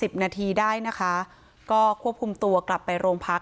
นาทีได้นะคะก็ควบคุมตัวกลับไปโรงพัก